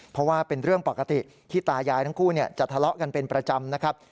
เพราะว่าเป็นเรื่องปกติที่ตายายทั้งคู่จะทะเลาะกันเป็นประจำนะครับ